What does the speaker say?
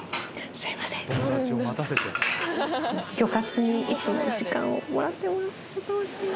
すいません餃活にいつも時間をもらってます